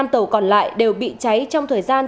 năm tàu còn lại đều bị cháy trong thời gian